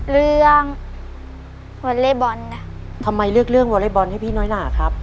เรื่องวอเล่บอลน่ะทำไมเลือกเรื่องวอเล็กบอลให้พี่น้อยหนาครับ